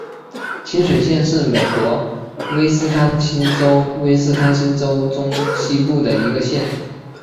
清水县是美国威斯康辛州威斯康辛州中西部的一个县。